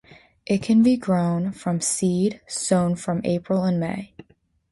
It can be grown from seed, sown from April and May.